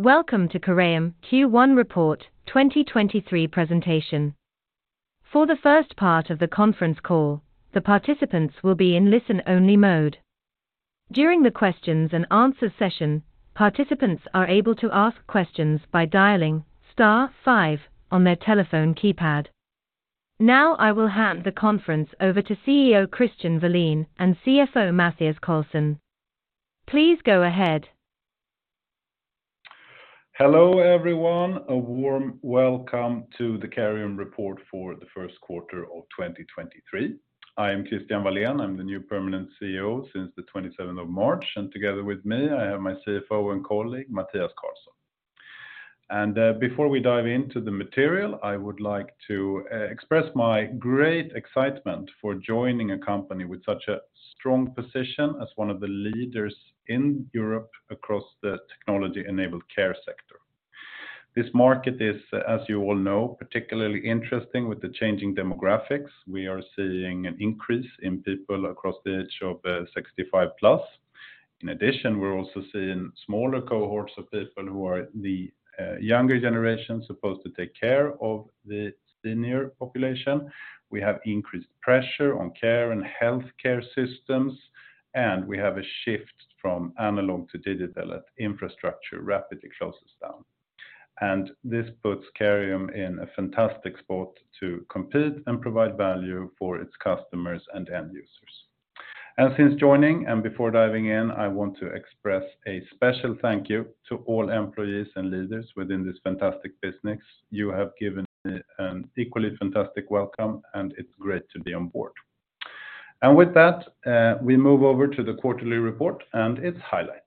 Welcome to Careium Q1 Report 2023 presentation. For the first part of the conference call, the participants will be in listen-only mode. During the questions and answers session, participants are able to ask questions by dialing star five on their telephone keypad. I will hand the conference over to CEO Christian Walén and CFO Mathias Carlsson. Please go ahead. Hello, everyone. A warm welcome to the Careium report for the first quarter of 2023. I am Christian Walén. I'm the new permanent CEO since the 27th of March. Together with me, I have my CFO and colleague, Mathias Carlsson. Before we dive into the material, I would like to express my great excitement for joining a company with such a strong position as one of the leaders in Europe across the technology-enabled care sector. This market is, as you all know, particularly interesting with the changing demographics. We are seeing an increase in people across the age of 65+. In addition, we're also seeing smaller cohorts of people who are the younger generation supposed to take care of the senior population. We have increased pressure on care and healthcare systems, we have a shift from analog to digital infrastructure rapidly closes down. This puts Careium in a fantastic spot to compete and provide value for its customers and end users. Since joining and before diving in, I want to express a special thank you to all employees and leaders within this fantastic business. You have given me an equally fantastic welcome, and it's great to be on board. With that, we move over to the quarterly report and its highlights.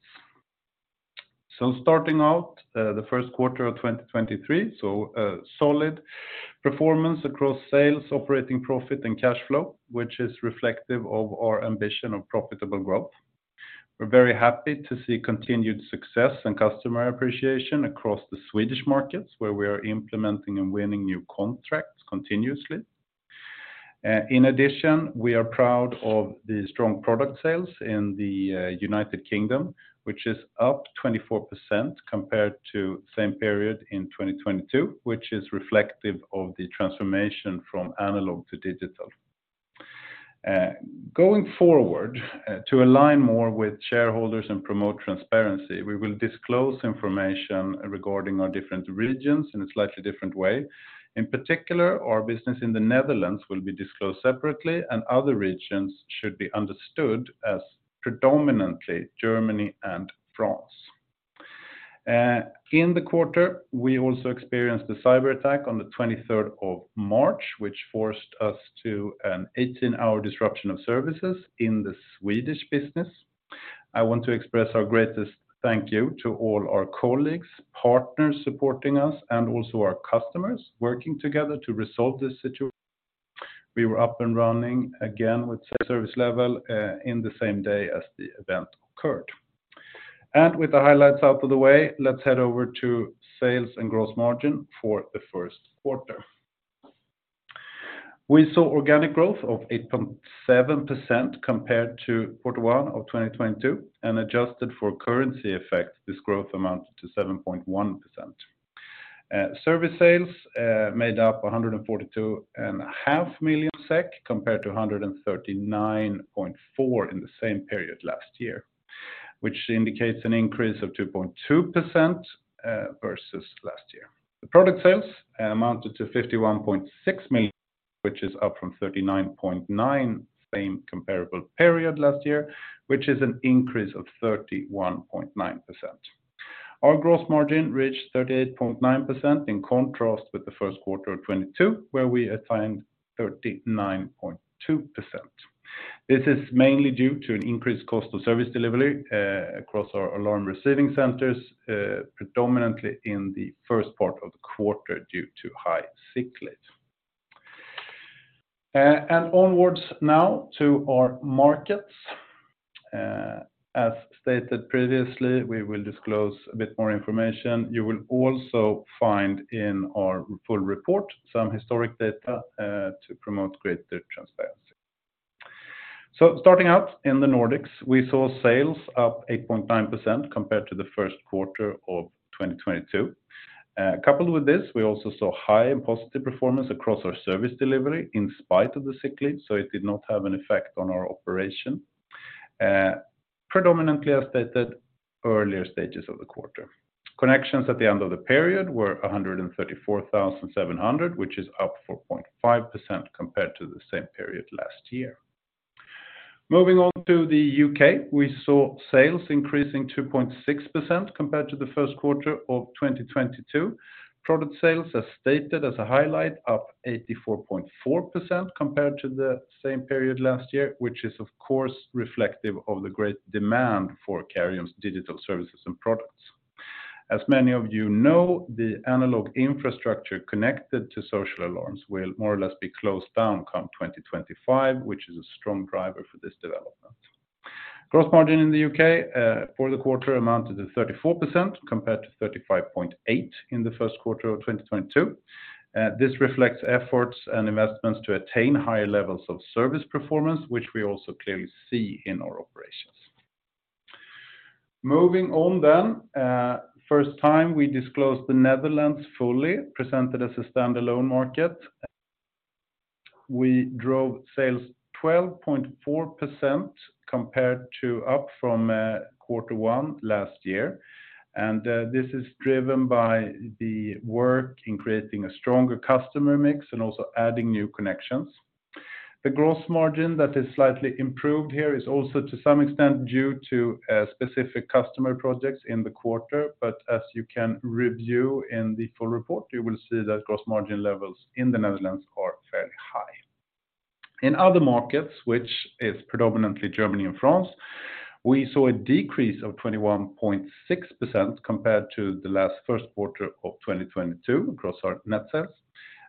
Starting out, the first quarter of 2023, a solid performance across sales, operating profit, and cash flow, which is reflective of our ambition of profitable growth. We're very happy to see continued success and customer appreciation across the Swedish markets, where we are implementing and winning new contracts continuously. In addition, we are proud of the strong product sales in the United Kingdom, which is up 24% compared to same period in 2022, which is reflective of the transformation from analog to digital. Going forward, to align more with shareholders and promote transparency, we will disclose information regarding our different regions in a slightly different way. In particular, our business in the Netherlands will be disclosed separately. Other regions should be understood as predominantly Germany and France. In the quarter, we also experienced a cyberattack on the 23rd of March, which forced us to an 18-hour disruption of services in the Swedish business. I want to express our greatest thank you to all our colleagues, partners supporting us, and also our customers working together to resolve this situation. We were up and running again with service level in the same day as the event occurred. With the highlights out of the way, let's head over to sales and gross margin for the first quarter. We saw organic growth of 8.7% compared to Q1 2022 and adjusted for currency effect, this growth amounted to 7.1%. Service sales made up 142.5 million SEK compared to 139.4 million SEK in the same period last year, which indicates an increase of 2.2% versus last year. The product sales amounted to 51.6 million SEK, which is up from 39.9 million SEK, same comparable period last year, which is an increase of 31.9%. Our gross margin reached 38.9% in contrast with the first quarter of 2022, where we attained 39.2%. This is mainly due to an increased cost of service delivery across our alarm receiving centers, predominantly in the first part of the quarter due to high sick leave. Onwards now to our markets. As stated previously, we will disclose a bit more information. You will also find in our full report some historic data to promote greater transparency. Starting out in the Nordics, we saw sales up 8.9% compared to the first quarter of 2022. Coupled with this, we also saw high and positive performance across our service delivery in spite of the sick leave, so it did not have an effect on our operation. Predominantly, as stated, earlier stages of the quarter. Connections at the end of the period were 134,700, which is up 4.5% compared to the same period last year. Moving on to the UK, we saw sales increasing 2.6% compared to the first quarter of 2022. Product sales, as stated as a highlight, up 84.4% compared to the same period last year, which is of course reflective of the great demand for Careium's digital services and products. As many of you know, the analog infrastructure connected to social alarms will more or less be closed down come 2025, which is a strong driver for this development. Gross margin in the UK for the quarter amounted to 34% compared to 35.8% in the first quarter of 2022. This reflects efforts and investments to attain higher levels of service performance, which we also clearly see in our operations. Moving on then, first time we disclosed the Netherlands fully presented as a standalone market. We drove sales 12.4% compared to up from Q1 last year. This is driven by the work in creating a stronger customer mix and also adding new connections. The gross margin that is slightly improved here is also to some extent due to specific customer projects in the quarter. As you can review in the full report, you will see that gross margin levels in the Netherlands are fairly high. In other markets, which is predominantly Germany and France, we saw a decrease of 21.6% compared to the last Q1 2022 across our net sales.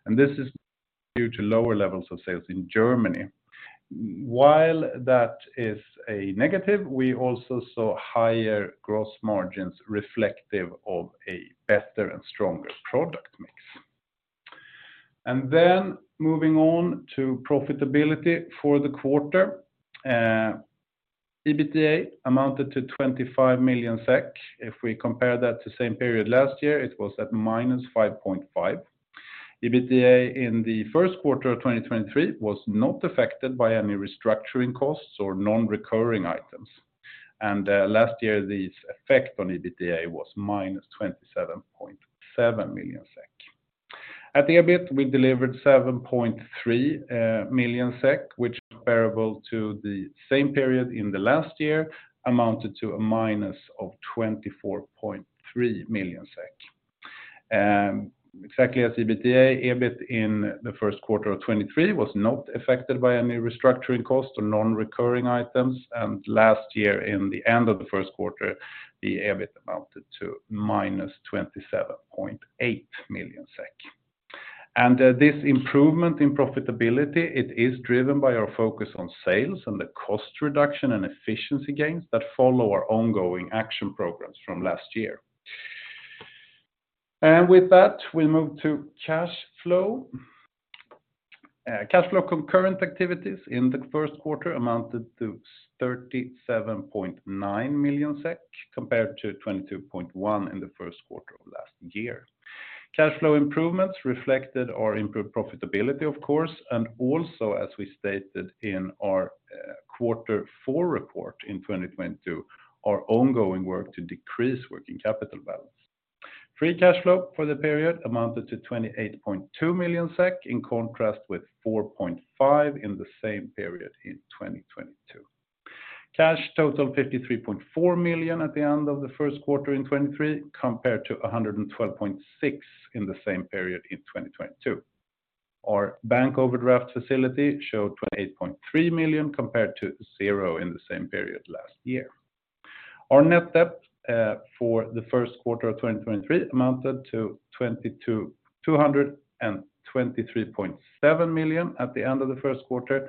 This is due to lower levels of sales in Germany. That is a negative, we also saw higher gross margins reflective of a better and stronger product mix. Moving on to profitability for the quarter, EBITDA amounted to 25 million SEK. If we compare that to same period last year, it was at -5.5 million SEK. EBITDA in the first quarter of 2023 was not affected by any restructuring costs or non-recurring items. Last year, this effect on EBITDA was -27.7 million SEK. At the EBIT, we delivered 7.3 million SEK, which comparable to the same period in the last year amounted to -24.3 million SEK. Exactly as EBITDA, EBIT in the first quarter of 2023 was not affected by any restructuring costs or non-recurring items. Last year in the end of the first quarter, the EBIT amounted to -27.8 million SEK. This improvement in profitability, it is driven by our focus on sales and the cost reduction and efficiency gains that follow our ongoing action programs from last year. With that, we move to cash flow. Cash flow concurrent activities in the first quarter amounted to 37.9 million SEK compared to 22.1 million in the first quarter of last year. Cash flow improvements reflected our improved profitability, of course, and also as we stated in our quarter four report in 2022, our ongoing work to decrease working capital balance. Free cash flow for the period amounted to 28.2 million SEK, in contrast with 4.5 million in the same period in 2022. Cash total 53.4 million at the end of Q1 2023 compared to 112.6 million in the same period in 2022. Our bank overdraft facility showed 28.3 million compared to zero in the same period last year. Our net debt for Q1 2023 amounted to 223.7 million at the end of Q1.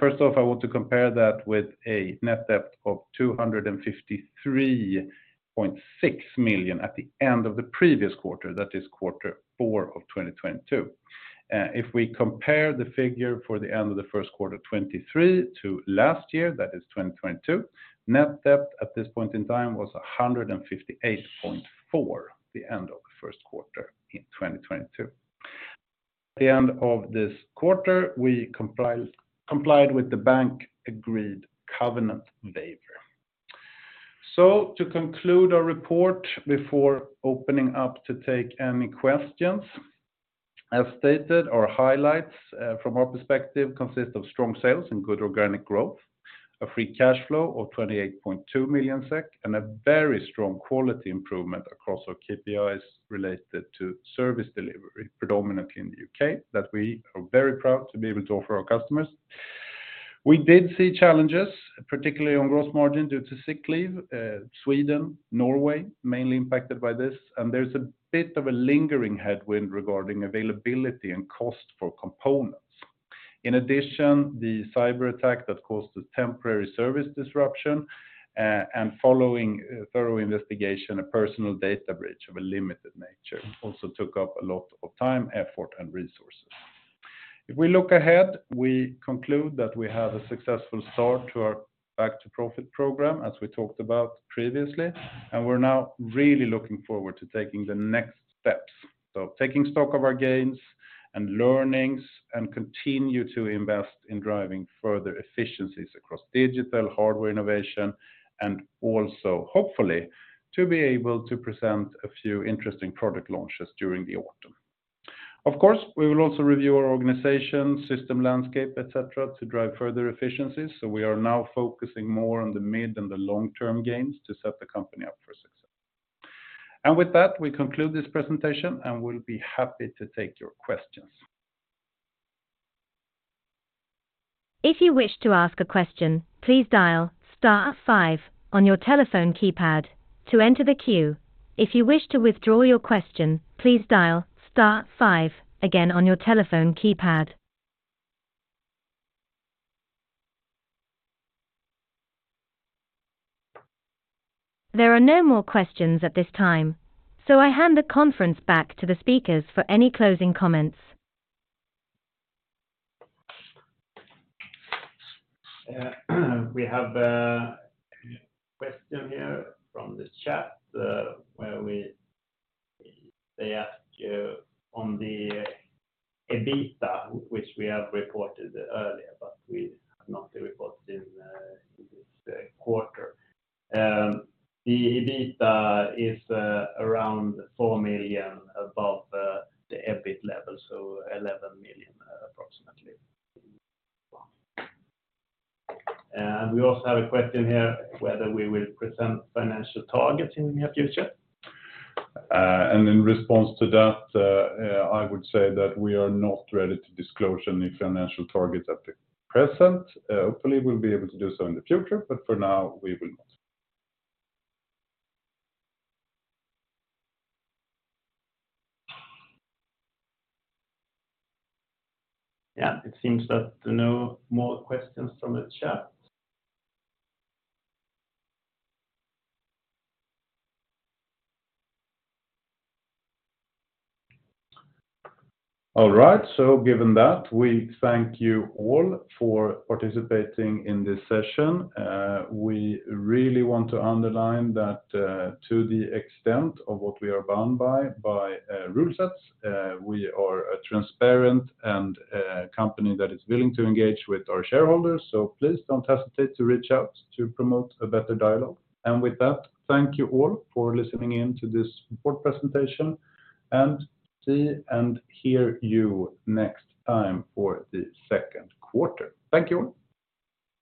First off, I want to compare that with a net debt of 253.6 million at the end of the previous quarter, that is Q4 2022. If we compare the figure for the end of the first quarter 2023 to last year, that is 2022, net debt at this point in time was 158.4 the end of the first quarter in 2022. At the end of this quarter, we complied with the bank agreed covenant waiver. To conclude our report before opening up to take any questions, as stated, our highlights from our perspective consist of strong sales and good organic growth, a free cash flow of 28.2 million SEK, and a very strong quality improvement across our KPIs related to service delivery, predominantly in the U.K., that we are very proud to be able to offer our customers. We did see challenges, particularly on gross margin due to sick leave, Sweden, Norway mainly impacted by this. There's a bit of a lingering headwind regarding availability and cost for components. In addition, the cyberattack that caused a temporary service disruption, and following a thorough investigation, a personal data breach of a limited nature also took up a lot of time, effort, and resources. If we look ahead, we conclude that we have a successful start to our Back to Profit program, as we talked about previously, and we're now really looking forward to taking the next steps. Taking stock of our gains and learnings and continue to invest in driving further efficiencies across digital hardware innovation and also hopefully to be able to present a few interesting product launches during the autumn. Of course, we will also review our organization, system landscape, et cetera, to drive further efficiencies. We are now focusing more on the mid and the long-term gains to set the company up for success. With that, we conclude this presentation, and we'll be happy to take your questions. If you wish to ask a question, please dial star five on your telephone keypad to enter the queue. If you wish to withdraw your question, please dial star five again on your telephone keypad. There are no more questions at this time. I hand the conference back to the speakers for any closing comments. We have a question here from this chat, where they ask you on the EBITDA, which we have reported earlier, but we have not reported in this quarter. The EBITDA is around 4 million above the EBIT level, so 11 million approximately. We also have a question here whether we will present financial targets in near future. In response to that, I would say that we are not ready to disclose any financial targets at the present. Hopefully we'll be able to do so in the future, but for now we will not. Yeah. It seems that there are no more questions from the chat. All right. Given that, we thank you all for participating in this session. We really want to underline that, to the extent of what we are bound by rule sets, we are a transparent and a company that is willing to engage with our shareholders. Please don't hesitate to reach out to promote a better dialog. With that, thank you all for listening in to this report presentation and see and hear you next time for the second quarter. Thank you all.